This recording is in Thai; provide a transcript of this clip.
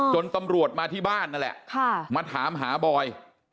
ตำรวจมาที่บ้านนั่นแหละมาถามหาบอย